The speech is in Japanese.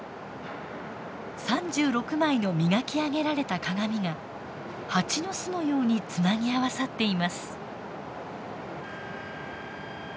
３６枚の磨き上げられた鏡が蜂の巣のようにつなぎ合わさっています。